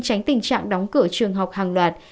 tránh tình trạng đóng cửa trường học hàng loạt